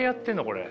これ。